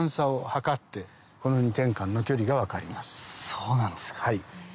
そうなんですか。